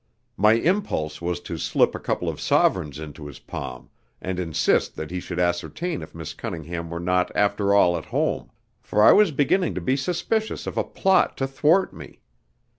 My impulse was to slip a couple of sovereigns into his palm, and insist that he should ascertain if Miss Cunningham were not after all at home, for I was beginning to be suspicious of a plot to thwart me.